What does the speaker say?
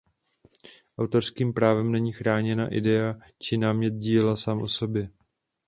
Autorským právem není chráněna idea či námět díla sám o sobě.